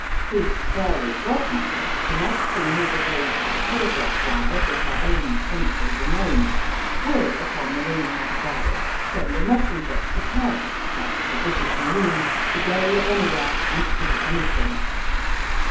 His fairy godmother, connecting his abode by telegraph wires with her own central domain, will upon the ringing of a bell send a messenger pre pared, like the British marine, to go anywhere and do anything.